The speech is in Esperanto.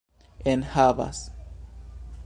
enhavas